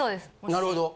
なるほど。